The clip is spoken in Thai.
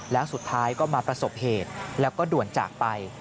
แล้วสุดท้ายก็มาประสบเหตุแล้วก็ด่วนจากไป